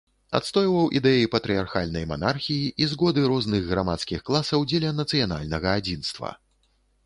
Адстойваў ідэі патрыярхальнай манархіі і згоды розных грамадскіх класаў дзеля нацыянальнага адзінства.